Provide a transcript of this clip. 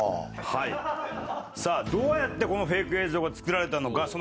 どうやってこのフェイク映像が作られたのか。